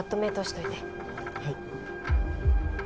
はい。